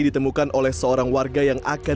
ditemukan oleh seorang warga yang akan